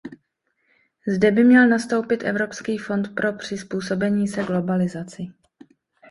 Zde by měl nastoupit Evropský fond pro přizpůsobení se globalizaci.